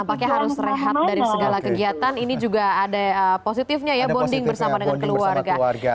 apakah harus rehat dari segala kegiatan ini juga ada positifnya ya bonding bersama dengan keluarga